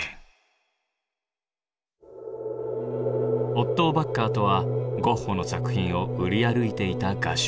オットー・ヴァッカーとはゴッホの作品を売り歩いていた画商。